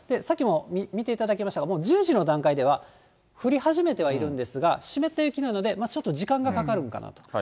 さっきも見ていただきましたが、もう１０時の段階では降り始めてはいるんですが、湿った雪なので、ちょっと時間がかかるのかなと。